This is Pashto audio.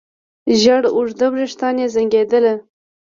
زېړ اوږده وېښتان يې زانګېدل.